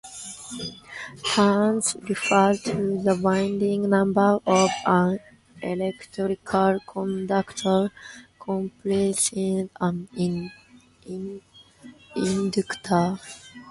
"Turns" refers to the winding number of an electrical conductor comprising an inductor.